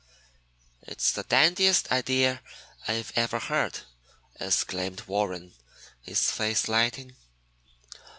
"It's the dandiest idea I ever heard!" exclaimed Warren, his face lighting.